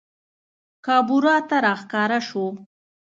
کابورا ته راښکاره سوو